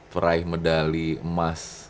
peraih medali emas